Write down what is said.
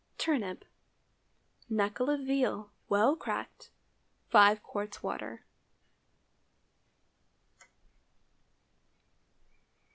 TURNIP. Knuckle of veal, well cracked. 5 qts. water.